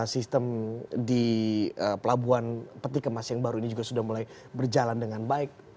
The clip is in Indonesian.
sistem di pelabuhan peti kemas yang baru ini juga sudah mulai berjalan dengan baik